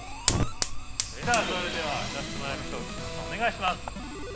◆さあそれでは、お願いします。